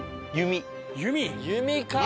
弓か！